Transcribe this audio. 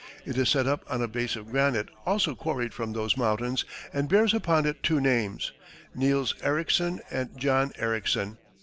It is set up on a base of granite also quarried from those mountains, and bears upon it two names, Nils Ericsson and John Ericsson.